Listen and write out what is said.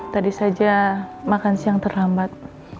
tadi saja makan siang terlambat